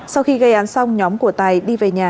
sau khi gây án xong nhóm của tài đi về nhà